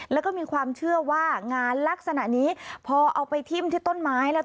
แล้วก็มีความเชื่อว่างานลักษณะนี้พอเอาไปทิ้มที่ต้นไม้แล้ว